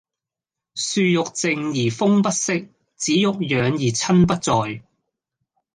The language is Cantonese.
樹欲靜而風不息，子欲養而親不在